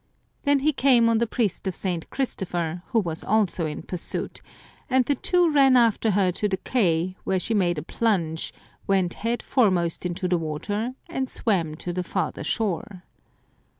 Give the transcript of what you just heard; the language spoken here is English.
Then he came on the priest of St. Christopher, who was also in pursuit, and the two ran after her to the quay, where she made a plunge, went head foremost into the water, and swam to the farther shore.